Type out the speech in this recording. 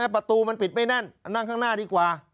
ประตูมันปิดไม่แน่นนั่งข้างหน้าดีกว่า